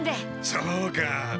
そうか。